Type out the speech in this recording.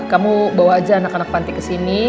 kamu bawa aja anak anak panti kesini